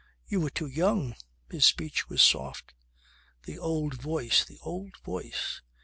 "You were too young." His speech was soft. The old voice, the old voice!